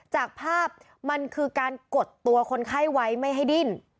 จากภาพมันคือการกดตัวคนไข้ไว้ไม่ให้ดิ้น